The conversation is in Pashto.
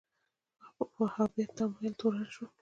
وهابیت تمایل تورن شول